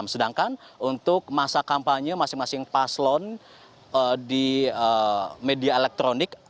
sedangkan untuk masa kampanye masing masing paslon di media elektronik